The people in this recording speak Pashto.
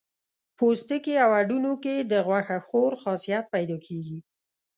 پوستکي او هډونو کې یې د غوښه خور خاصیت پیدا کېږي.